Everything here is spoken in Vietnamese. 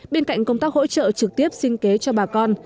bên cạnh công tác hỗ trợ trực tiếp sinh kế cho bà con